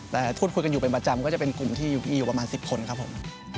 แต่พูดคุยกันอยู่เป็นประจำก็จะเป็นกลุ่มที่อยู่ประมาณ๑๐คนครับผม